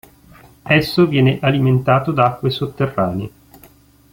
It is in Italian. Esso viene alimentato da acque sotterranee.